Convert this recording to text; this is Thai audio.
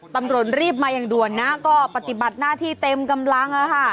ตำรวจรีบมาอย่างด่วนนะก็ปฏิบัติหน้าที่เต็มกำลัง